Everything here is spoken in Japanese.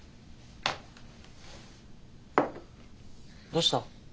どうした？